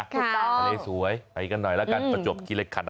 ค่ะทะเลสวยไปกันหน่อยแล้วกันประจวบที่เล็กขัด